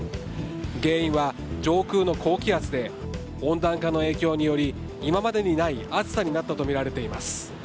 原因は上空の高気圧で温暖化の影響で今までにない暑さになったとみられています。